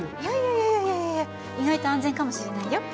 いやいやいや意外と安全かもしれないよ。